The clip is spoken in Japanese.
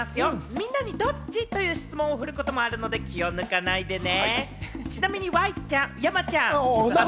みんなにドッチ？という質問を振ることもあるので気を抜かないでね。